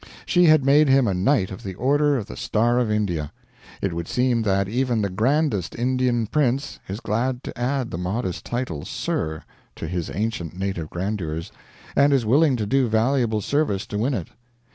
She had made him a knight of the order of the Star of India. It would seem that even the grandest Indian prince is glad to add the modest title "Sir" to his ancient native grandeurs, and is willing to do valuable service to win it.